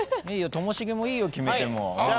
ともしげもいいよ決めても。